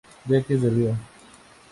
Jacques Derrida.